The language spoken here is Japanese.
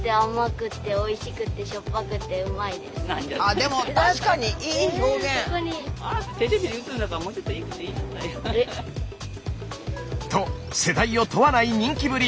でも確かにいい表現。と世代を問わない人気ぶり。